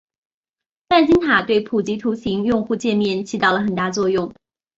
麦金塔对普及图形用户界面起到了很大作用。